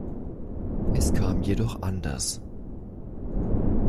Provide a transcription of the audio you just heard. Es kam jedoch anders.